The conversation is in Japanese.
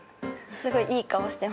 すごいいい顔してます。